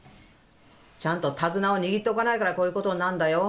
ちゃんと手綱を握っとかないからこういうことになんだよ。